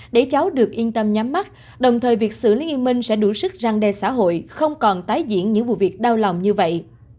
để cháu được yên tâm nhắm mắt đồng thời việc xử lý nghiêm minh sẽ đủ sức răng đe xã hội không còn tái diễn những vụ việc đau lòng như vậy